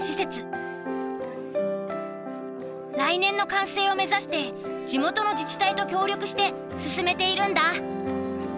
来年の完成を目指して地元の自治体と協力して進めているんだ。